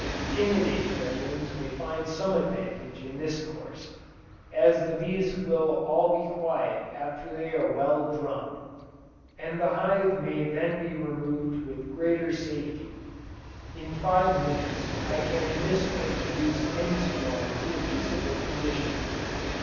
Timid Apiarians may find some advantage in this course, as the bees will all be quiet after they are well drummed, and the hive may then be removed with greater safety. In five minutes I can in this way reduce any swarm to a peaceable condition.